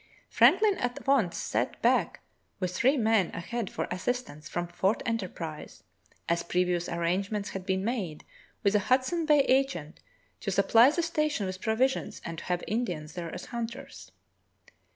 Franklin at once sent Back with three men ahead for assistance from Fort Enterprise, as previous arrange ments had been made with a Hudson Bay agent to supply the station with provisions and to have Indians there as hunters.